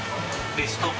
ベスト４。